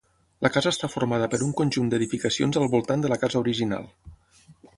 La casa està formada per un conjunt d'edificacions al voltant de la casa original.